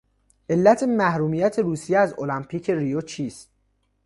علت محرومیت روسیه از المپیک ریوچیست؟